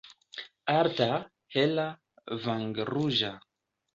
Alta, hela, vangruĝa.